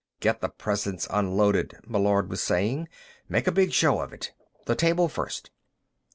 "Get the presents unloaded," Meillard was saying. "Make a big show of it. The table first."